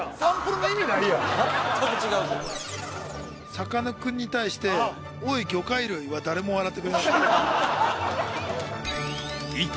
「さかなクンに対して“おい魚介類”は誰も笑ってくれなかった」